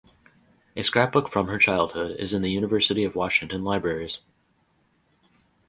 A scrapbook from her childhood is in the University of Washington Libraries.